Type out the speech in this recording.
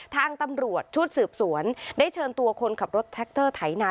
ทางตำรวจชุดสืบสวนได้เชิญตัวคนขับรถแท็กเตอร์ไถนา